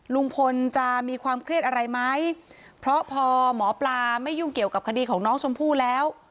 ลุงพลจะมีความเครียดอะไรไหมเพราะพอหมอปลาไม่ยุ่งเกี่ยวกับคดีของน้องชมพู่แล้ว